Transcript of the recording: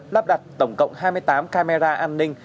lắp đặt tổng cộng hai mươi tám camera an ninh